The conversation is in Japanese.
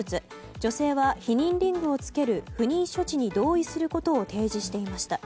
女性は避妊リングをつける不妊処置に同意することを提示していました。